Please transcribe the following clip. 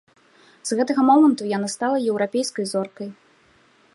З гэтага моманту яна стала еўрапейскай зоркай.